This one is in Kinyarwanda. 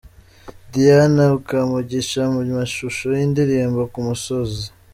Diana Kamugisha mu mashusho y'indirimbo 'Ku musozi'.